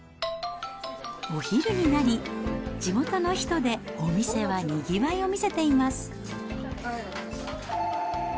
お昼になり、地元の人でお店はにぎわいを見せています。